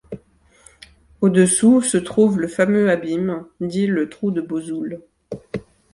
Au-dessous se trouve le fameux abîme, dit le Trou de Bozouls.